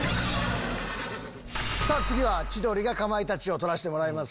さぁ次は千鳥がかまいたちを撮らせてもらいます。